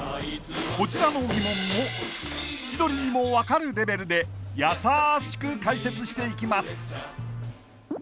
こちらの疑問も千鳥にも分かるレベルでやさしく解説していきます